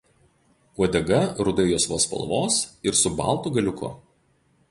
Uodega rudai juosvos spalvos ir su baltu galiuku.